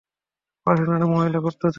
ওয়াশিংটনের মহিলা গুপ্তচর।